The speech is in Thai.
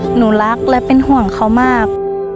หนูรักและเป็นห่วงเขามาก